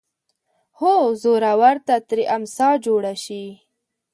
هو زورور ته ترې امسا جوړه شي